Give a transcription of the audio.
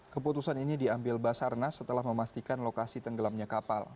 keputusan ini diambil basarnas setelah memastikan lokasi tenggelamnya kapal